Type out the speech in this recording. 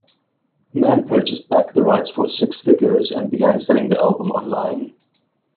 Mann purchased back the rights for "six figures", and began selling the album online.